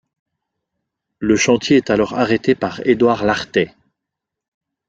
Le chantier est alors arrêté par Édouard Lartet.